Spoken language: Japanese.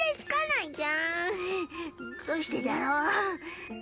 どうしてだろう